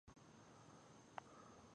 زه د امتحان له پاره درس وایم.